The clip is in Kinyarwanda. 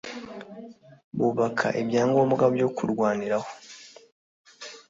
bubaka ibya ngombwa byo kurwaniraho